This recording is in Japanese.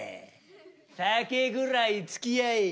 酒ぐらいつきあえ。